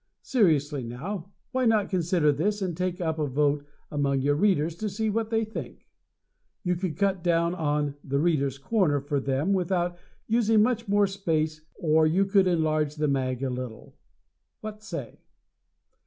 Seriously, now, why not consider this and take up a vote among your Readers to see what they think? You could cut down on "The Readers' Corner" for them without using much more space, or you could enlarge the mag a little. What say?